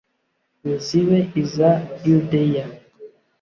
nizibe iza yudeya